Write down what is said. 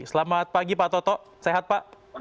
selamat pagi pak toto sehat pak